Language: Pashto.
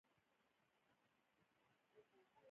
شتمني له فکر کولو څخه را پیدا کېږي